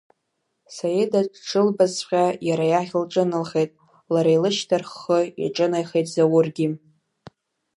Саида дшылбазҵәҟьа иара иахь лҿыналхеит, лара илышьҭарххны иҿынеихеит Заургьы.